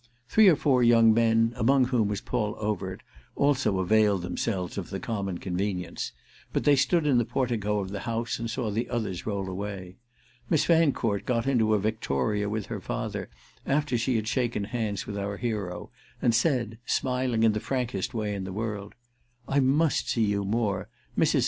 Three or four young men, among whom was Paul Overt, also availed themselves of the common convenience; but they stood in the portico of the house and saw the others roll away. Miss Fancourt got into a victoria with her father after she had shaken hands with our hero and said, smiling in the frankest way in the world, "I must see you more. Mrs. St.